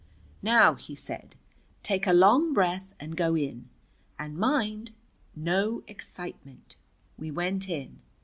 "Now," he said, "take a long breath and go in. And mind no excitement." We went in.